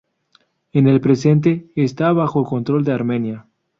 En el presente, está bajo control de Armenia.